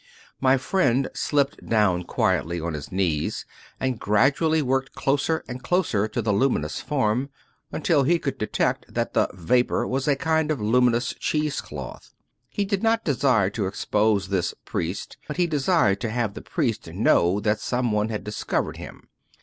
My friend slipped down quietly on his knees, and gradually worked closer and closer to the luminous form, until he could detect that the vapor was a kind of luminous " cheese cloth." He did not desire to expose this " priest," but he desired to have the " priest " know that some one had discovered him.